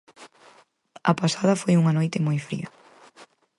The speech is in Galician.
A pasada foi unha noite moi fría.